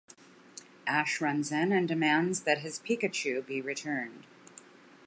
Ash runs in and demands that his Pikachu be returned.